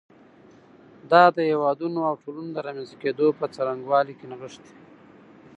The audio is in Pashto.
دا د هېوادونو او ټولنو د رامنځته کېدو په څرنګوالي کې نغښتی.